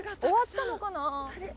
終わったのかな？